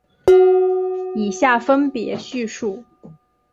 以下分别叙述。